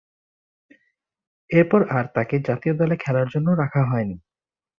এরপর আর তাকে জাতীয় দলে খেলার জন্যে রাখা হয়নি।